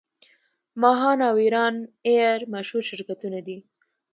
ماهان او ایران ایر مشهور شرکتونه دي.